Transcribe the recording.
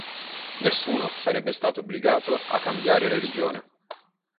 Nessuno sarebbe stato obbligato a cambiare religione.